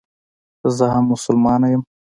زه هم مسلمانه یم.